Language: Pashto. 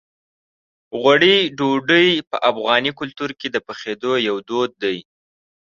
غوړي ډوډۍ په افغاني کلتور کې د پخېدو یو دود دی.